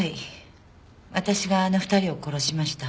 私があの２人を殺しました。